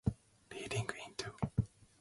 Leading into branching between the two ideologies.